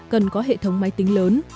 cần có hệ thống máy tính lớn